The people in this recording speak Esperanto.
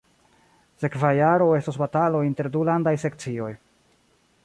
Sekva jaro estos batalo inter du landaj sekcioj